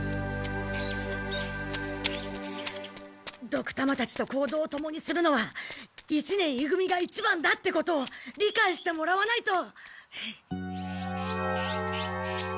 ドクたまたちと行動をともにするのは一年い組がいちばんだってことを理解してもらわないと！